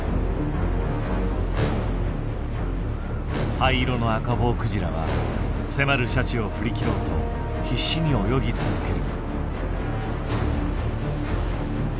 灰色のアカボウクジラは迫るシャチを振り切ろうと必死に泳ぎ続ける。